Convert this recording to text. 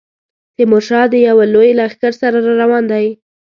تیمورشاه د یوه لوی لښکر سره را روان دی.